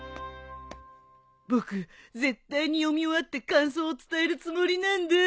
僕絶対に読み終わって感想を伝えるつもりなんだ。